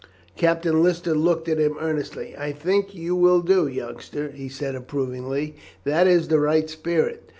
Captain Lister looked at him earnestly. "I think you will do, youngster," he said approvingly, "that is the right spirit.